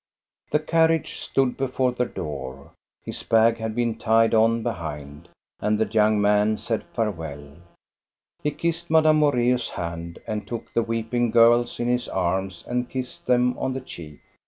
The carriage stood before the door. His bag had been tied on behind, and the young man said farewell. He kissed Madame Moreus' hand and took the weep ing girls in his arms and kissed them on the cheek.